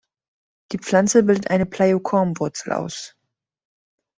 Die Pflanze bildet eine Pleiokorm-Wurzel aus.